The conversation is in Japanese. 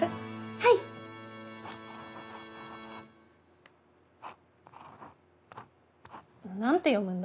はい！なんて読むんだ？